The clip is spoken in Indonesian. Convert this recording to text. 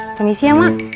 permisi ya mak